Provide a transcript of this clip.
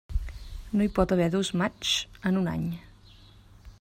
No hi pot haver dos maigs en un any.